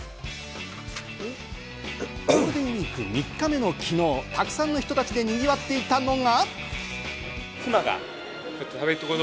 ゴールデンウイーク３日目の昨日、たくさんの人たちでにぎわっていたのが。